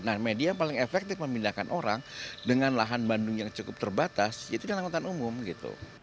nah media yang paling efektif memindahkan orang dengan lahan bandung yang cukup terbatas ya itu yang angkutan umum gitu